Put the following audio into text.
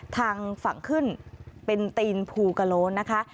ทางฝั่งขึ้นเป็นตีนภูกระโลนะคะ